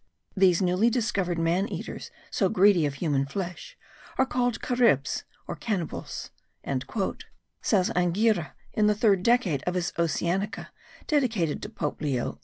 "These newly discovered man eaters, so greedy of human flesh, are called Caribes or Cannibals,"* says Anghiera, in the third decade of his Oceanica, dedicated to Pope Leo X.